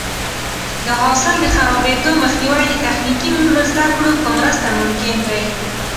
د حاصل د خرابېدو مخنیوی د تخنیکي زده کړو په مرسته ممکن دی.